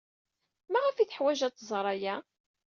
Maɣef ay teḥwaj ad tẓer aya?